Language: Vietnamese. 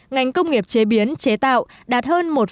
ngành công nghiệp chế biến chế tạo đạt hơn một tám tỷ usd